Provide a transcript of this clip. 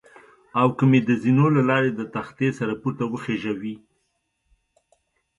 او که مې د زینو له لارې د تختې سره پورته وخېژوي.